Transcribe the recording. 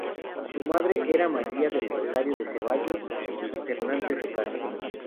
Su madre era María del Rosario de Ceballos y Fernández de Castro.